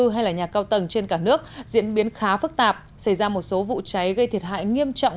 hay là nhà cao tầng trên cả nước diễn biến khá phức tạp xảy ra một số vụ cháy gây thiệt hại nghiêm trọng